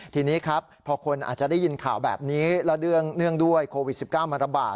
ทีนี้ครับพอคนอาจจะได้ยินข่าวแบบนี้แล้วเนื่องด้วยโควิด๑๙มันระบาด